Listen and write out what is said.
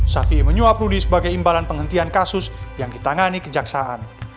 syafi'i menyuap rudi sebagai imbalan penghentian kasus yang ditangani kejaksaan